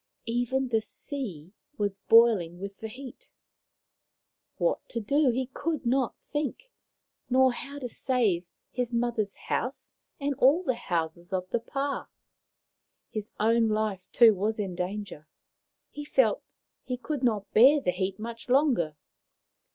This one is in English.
Even the sea was boiling with the heat. What to do he could not think, nor how to save his mother's house and all the houses of the pah. His own life, too, was in danger. He felt he could not bear the heat much longer.